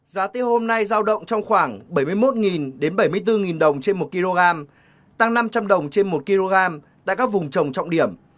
giá tiêu hôm nay giao động trong khoảng bảy mươi một đến bảy mươi bốn đồng trên một kg tăng năm trăm linh đồng trên một kg tại các vùng trồng trọng điểm